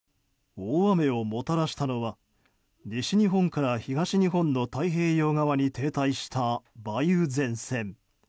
大雨をもたらしたのは西日本から東日本の太平洋側に停滞した梅雨前線。